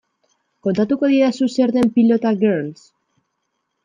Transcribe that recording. Kontatuko didazu zer den Pilota Girls?